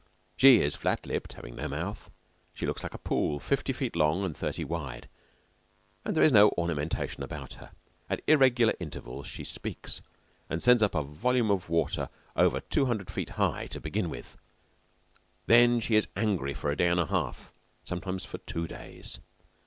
She is flat lipped, having no mouth; she looks like a pool, fifty feet long and thirty wide, and there is no ornamentation about her. At irregular intervals she speaks and sends up a volume of water over two hundred feet high to begin with, then she is angry for a day and a half sometimes for two days.